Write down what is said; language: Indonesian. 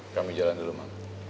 kami jalan dulu ma